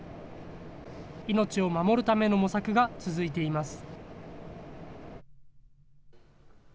命を守るための模索が続いています。